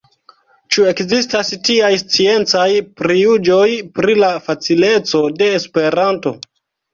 Ĉu ekzistas tiaj sciencaj prijuĝoj pri la facileco de Esperanto?